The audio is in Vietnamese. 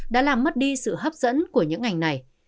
đã làm mất đi sự hấp dẫn của những ngành này